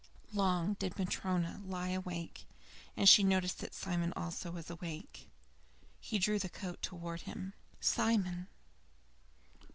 Long did Matryona lie awake, and she noticed that Simon also was awake he drew the coat towards him. "Simon!"